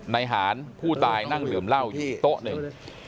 หารผู้ตายนั่งดื่มเหล้าอยู่โต๊ะหนึ่ง